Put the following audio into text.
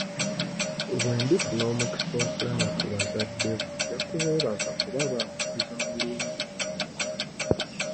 Bwe ndifuna omukisa okulaba bazadde bo nja kubeebaza kuba baakukuza bulungi.